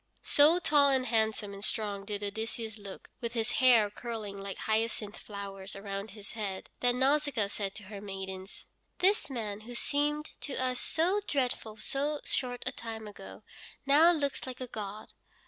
So tall and handsome and strong did Odysseus look, with his hair curling like hyacinth flowers around his head, that Nausicaa said to her maidens: "This man, who seemed to us so dreadful so short a time ago, now looks like a god.